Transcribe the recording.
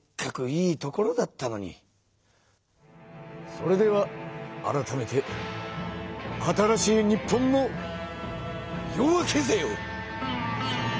それでは改めて新しい日本の夜明けぜよ！